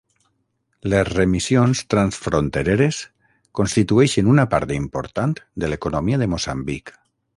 Les remissions transfrontereres constitueixen una part important de l'economia de Moçambic.